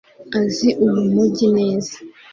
Azi uyu mujyi neza